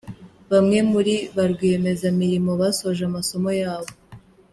Bamwe muri barwiyemezamirimo basoje amasomo yabo.